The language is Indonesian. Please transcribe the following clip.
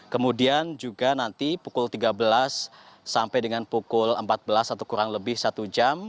kemudian juga nanti pukul tiga belas sampai dengan pukul empat belas atau kurang lebih satu jam